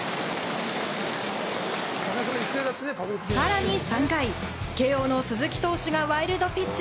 さらに３回、慶應の鈴木投手がワイルドピッチ。